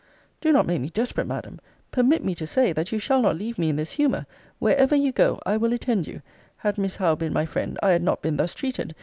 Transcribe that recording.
Do not make me desperate, Madam. Permit me to say, that you shall not leave me in this humour. Wherever you go, I will attend you. Had Miss Howe been my friend, I had not been thus treated.